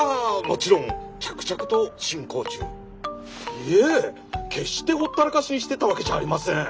いえ決してほったらかしにしてたわけじゃありません。